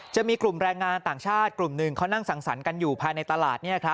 จะมีกลุ่มแรงงานต่างชาติกลุ่มหนึ่งเขานั่งสังสรรค์กันอยู่ภายในตลาด